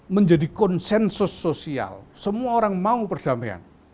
menjadi konsensus sosial semua orang mau perdamaian